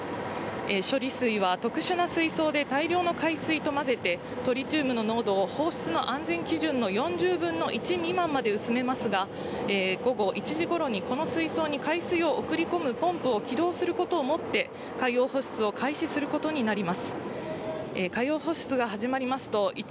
処理水は特殊な水槽で大量の海水と混ぜてトリチウムの濃度を放出の安全基準の４０の１未満まで薄めますが、午後１時ごろにこの水槽に海水を送り込むポンプを起動することをもって、海洋放出を開始することになります。